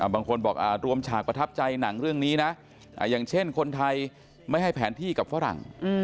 บางคนบอกรวมฉากประทับใจหนังเรื่องนี้นะอย่างเช่นคนไทยไม่ให้แผนที่กับฝรั่ง